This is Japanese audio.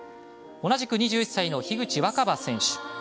同じく２１歳の樋口新葉選手。